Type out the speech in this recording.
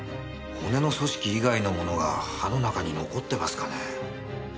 骨の組織以外のものが歯の中に残ってますかね？